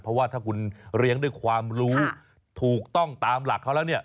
เพราะว่าถ้าคุณเลี้ยงด้วยความรู้ถูกต้องตามหลักเขาแล้วเนี่ย